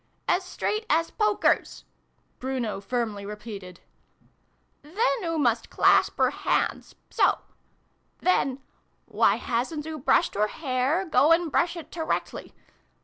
as straight as pokers" Bruno firmly repeated. " Then oo must clasp oor hands so. Then ' Why hasn't oo brushed oor hair ? Go and brush it toreckly